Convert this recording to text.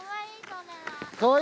かわいい。